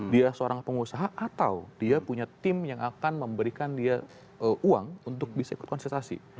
dia seorang pengusaha atau dia punya tim yang akan memberikan dia uang untuk bisa ikut konsentrasi